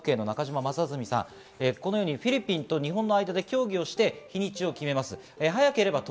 元大阪府警・中島正純さん、このようにフィリピンと日本の間で協議をして日にちを決めます。